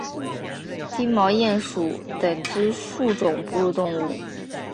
金毛鼹属等之数种哺乳动物。